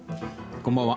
こんばんは。